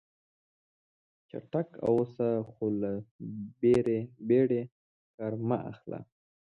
چټک اوسه خو له بیړې کار مه اخله.